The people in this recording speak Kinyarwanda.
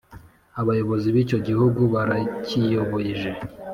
Abayobozi b’icyo gihugu barakiyobeje,